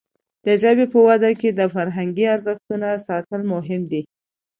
د ژبې په وده کې د فرهنګي ارزښتونو ساتل مهم دي.